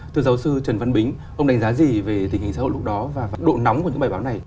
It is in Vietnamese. thưa giáo sư trần văn bính ông đánh giá gì về tình hình xã hội lúc đó và độ nóng của những bài báo này